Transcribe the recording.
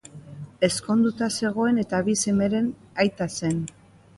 Ezkonduta zegoen eta bi semeren aita zen.